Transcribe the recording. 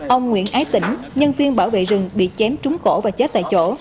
ông nguyễn ái tỉnh nhân viên bảo vệ rừng bị chém trúng cổ và chết tại chỗ